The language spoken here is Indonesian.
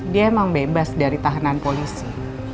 dia emang bebas dari tahanan polisi